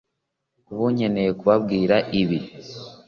ubu nkeneye kubabwira ibi